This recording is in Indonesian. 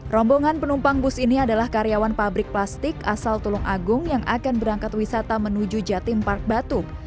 rombongan penumpang bus ini adalah karyawan pabrik plastik asal tulung agung yang akan berangkat wisata menuju jatim park batu